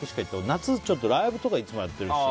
夏は、ちょっとライブとかいつもやってるし。